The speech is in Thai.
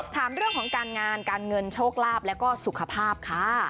ถามเรื่องของการงานการเงินโชคลาภแล้วก็สุขภาพค่ะ